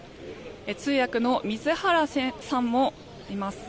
通訳の水原さんもいます。